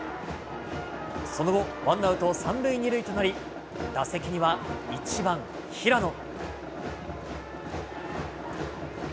その後、ワンアウト３塁２塁となり、打席には１番平野。